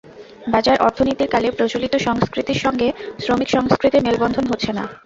বাজার অর্থনীতির কালে প্রচলিত সংস্কৃতির সঙ্গে শ্রমিক সংস্কৃতির মেলবন্ধন হচ্ছে না।